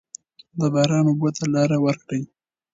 د باران اوبو ته لاره ورکړئ.